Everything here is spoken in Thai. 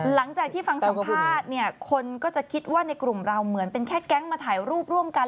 หลังจากที่ฟังสัมภาษณ์เนี่ยคนก็จะคิดว่าในกลุ่มเราเหมือนเป็นแค่แก๊งมาถ่ายรูปร่วมกัน